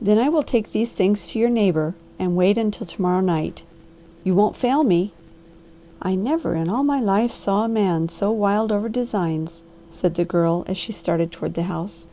"Then I will take these things to your neighbour and wait until to morrow night. You won't fail me?" "I never in all my life saw a man so wild over designs," said the Girl, as she started toward the house.